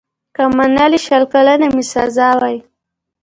که منلې شل کلنه مي سزا وای